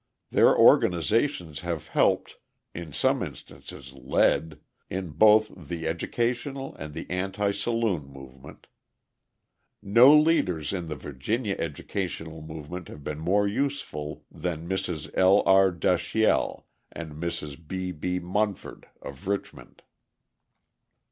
Their organisations have helped, in some instances led, in both the educational and the anti saloon movement. No leaders in the Virginia educational movement have been more useful than Mrs. L. R. Dashiell and Mrs. B. B. Munford of Richmond.